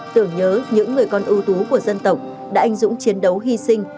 tưởng nhớ những người con ưu tú của dân tộc đã anh dũng chiến đấu hy sinh